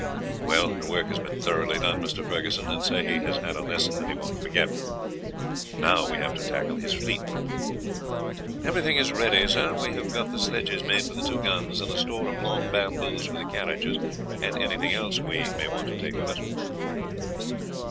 "Well, the work has been thoroughly done, Mr. Ferguson, and Sehi has had a lesson that he won't forget. Now we have to tackle his fleet." "Everything is ready, sir. We have got the sledges made for the two guns, and a store of long bamboos for the carriages and anything else we may want to take with us."